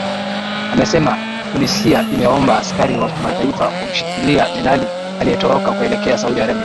amesema tunisia imeomba askari wa kimataifa kumshikilia benali aliyetoroka kuelekea saudia arabia